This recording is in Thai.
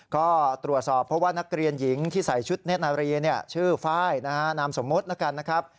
ก็ตรวจสอบเพราะว่านักเรียนหญิงที่ใส่ชุดเนธนารีชื่อไฟล์นามสมมติแล้วกันนะครับ